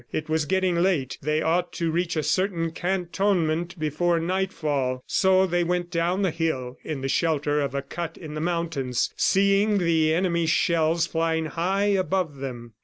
It was getting late; they ought to reach a certain cantonment before nightfall. So they went down the hill in the shelter of a cut in the mountain, seeing the enemy's shells flying high above them.